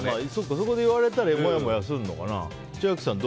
そこで言われたらモヤモヤするのかな。